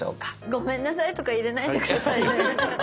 「ごめんなさい」とか入れないで下さいね。